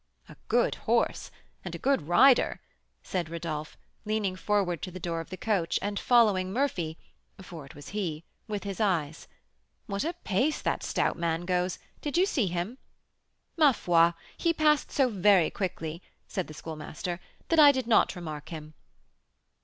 "A good horse and a good rider," said Rodolph, leaning forward to the door of the coach and following Murphy (for it was he) with his eyes. "What a pace that stout man goes! Did you see him?" "Ma foi! he passed so very quickly," said the Schoolmaster, "that I did not remark him."